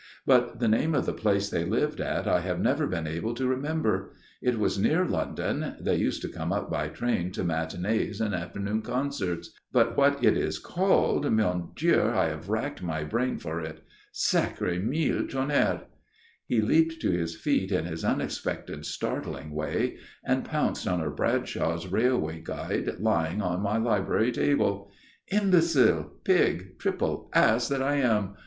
But the name of the place they lived at I have never been able to remember. It was near London they used to come up by train to matinées and afternoon concerts. But what it is called, mon Dieu, I have racked my brain for it. Sacré mille tonnerres!" He leaped to his feet in his unexpected, startling way, and pounced on a Bradshaw's Railway Guide lying on my library table. "Imbecile, pig, triple ass that I am!